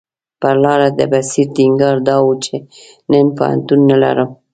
پر لاره د بصیر ټینګار دا و چې نن پوهنتون نه لرم.